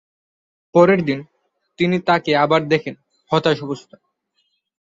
পরের দিন, তিনি তাকে আবার দেখেন, হতাশ অবস্থায়।